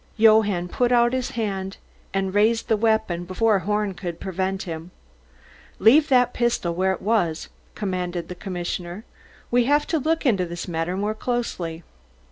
Johann put out his hand and raised the weapon before Horn could prevent him. "Leave that pistol where it was," commanded the commissioner. "We have to look into this matter more closely."